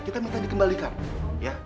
kita minta dikembalikan ya